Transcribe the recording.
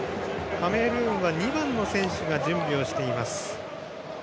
カメルーンは２番の選手が準備をしています。